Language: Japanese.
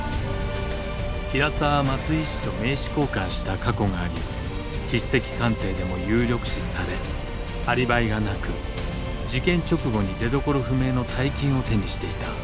平沢は松井医師と名刺交換した過去があり筆跡鑑定でも有力視されアリバイがなく事件直後に出どころ不明の大金を手にしていた。